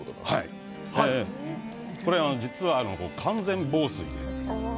実はこれは完全防水です。